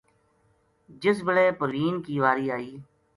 جس بِلے پروین کی واری آئی